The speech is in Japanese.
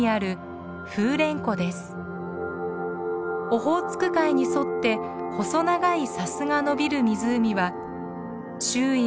オホーツク海に沿って細長い砂州がのびる湖は周囲